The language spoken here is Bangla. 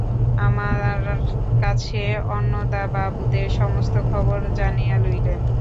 আমার কাছে অন্নদাবাবুদের সমস্ত খবর জানিয়া লইলেন।